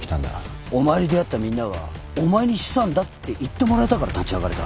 お前に出会ったみんなはお前に資産だって言ってもらえたから立ち上がれた。